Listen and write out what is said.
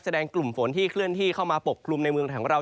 กลุ่มฝนที่เคลื่อนที่เข้ามาปกกลุ่มในเมืองไทยของเรา